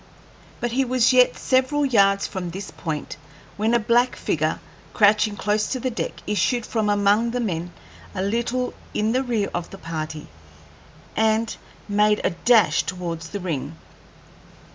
But he was yet several yards from this point when a black figure, crouching close to the deck, issued from among the men, a little in the rear of the party, and made a dash towards the ring.